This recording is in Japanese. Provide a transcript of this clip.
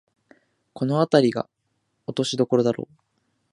このあたりが落としどころだろう